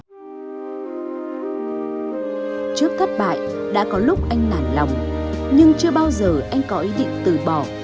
trước thất bại đã có lúc anh nản lòng nhưng chưa bao giờ anh có ý định từ bỏ